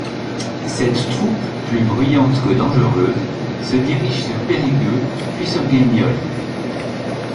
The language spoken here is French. Cette troupe plus bruyante que dangereuse se dirige sur Périgueux puis sur Grignols.